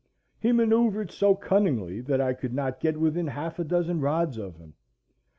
He manœuvred so cunningly that I could not get within half a dozen rods of him.